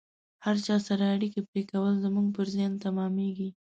هر چا سره اړیکې پرې کول زموږ پر زیان تمامیږي